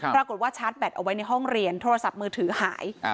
ปรากฏว่าชาร์จแบตเอาไว้ในห้องเรียนโทรศัพท์มือถือหาย